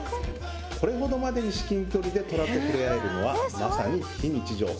これほどまでに至近距離でトラと触れ合えるのはまさに非日常。